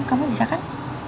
kamu bisa kan